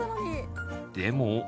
でも。